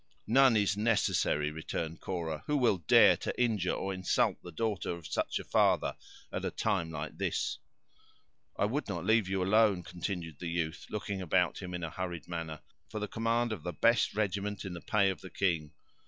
"None is necessary," returned Cora; "who will dare to injure or insult the daughter of such a father, at a time like this?" "I would not leave you alone," continued the youth, looking about him in a hurried manner, "for the command of the best regiment in the pay of the king.